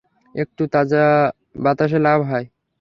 একটু তাজা বাতাসে লাভ হয়।